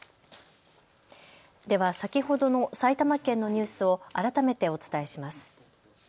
では先ほどの埼玉県のニュースを改めてお伝えします。